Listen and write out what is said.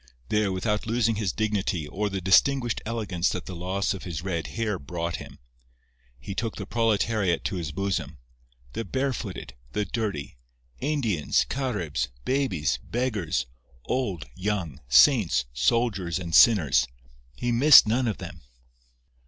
There, without losing his dignity or the distinguished elegance that the loss of his red hair brought him, he took the proletariat to his bosom—the barefooted, the dirty, Indians, Caribs, babies, beggars, old, young, saints, soldiers and sinners—he missed none of them.